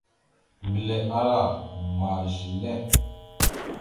Mbelle ahala: « Ma zelle? ».